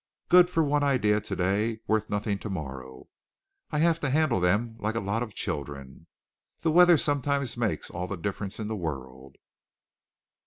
Good for one idea today worth nothing tomorrow I have to handle them like a lot of children. The weather sometimes makes all the difference in the world."